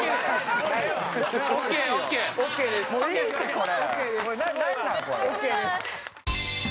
これ。